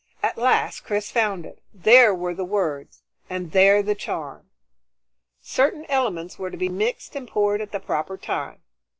At last Chris found it. There were the words, and there the charm. Certain elements were to be mixed and poured at the proper time.